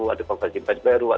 ada konversi berubah